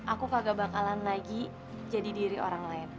aku kagak bakalan lagi jadi diri orang lain